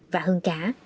và hơn cả